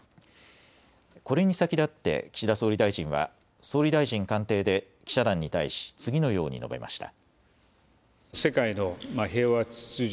これに先立って岸田総理大臣は総理大臣官邸で記者団に対し次のように述べました。